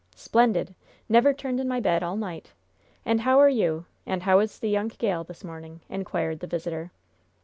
"Splendid! Never turned in my bed all night. And how are you? And how is the young gal this morning?" inquired the visitor.